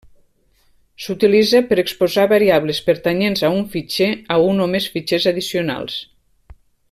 S'utilitza per exposar variables pertanyents a un fitxer a un o més fitxers addicionals.